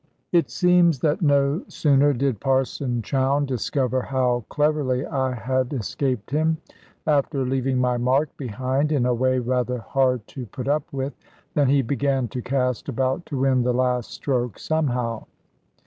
It seems that no sooner did Parson Chowne discover how cleverly I had escaped him (after leaving my mark behind, in a way rather hard to put up with), than he began to cast about to win the last stroke somehow.